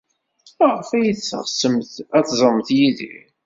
Maɣef ay teɣsemt ad teẓremt Yidir?